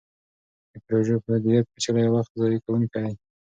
د پروژو مدیریت پیچلی او وخت ضایع کوونکی دی.